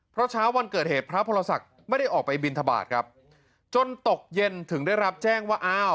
เพราะเช้าวันเกิดเหตุพระพรศักดิ์ไม่ได้ออกไปบินทบาทครับจนตกเย็นถึงได้รับแจ้งว่าอ้าว